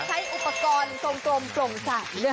ใช้อุปกรณ์โกรมโกรธใสนะครับ